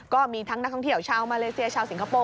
ก็มีทั้งนักท่องเที่ยวชาวมาเลเซียชาวสิงคโปร์